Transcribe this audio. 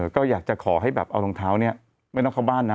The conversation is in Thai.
ก็อยากจะขอให้แบบเอารองเท้าเนี่ยไม่ต้องเข้าบ้านนะ